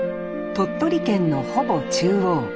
鳥取県のほぼ中央。